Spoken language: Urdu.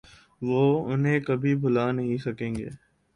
وہ انہیں کبھی بھلا نہیں سکیں گے۔